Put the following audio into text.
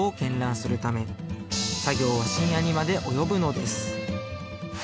するため作業は深夜にまで及ぶのですあ